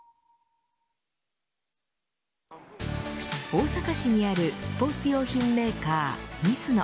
大阪市にあるスポーツ用品メーカー、ミズノ。